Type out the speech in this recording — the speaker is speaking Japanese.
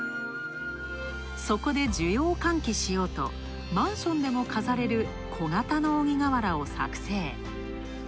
そこで需要を喚起しようとマンションでも飾れる小型の鬼瓦を作成。